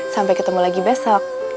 sampai ketemu lagi besok